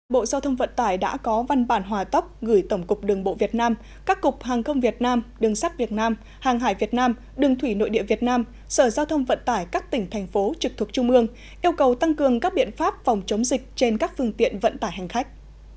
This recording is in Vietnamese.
bộ giao thông vận tải đã có văn bản hòa tóc gửi tổng cục đường bộ việt nam các cục hàng không việt nam đường sắt việt nam hàng hải việt nam đường thủy nội địa việt nam sở giao thông vận tải các tỉnh thành phố trực thuộc trung ương yêu cầu tăng cường các biện pháp phòng chống dịch trên các phương tiện vận tải hành khách